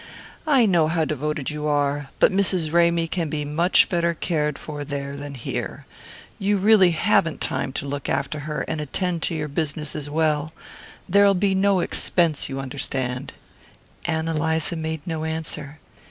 "I know how devoted you are but Mrs. Ramy can be much better cared for there than here. You really haven't time to look after her and attend to your business as well. There'll be no expense, you understand " Ann Eliza made no answer.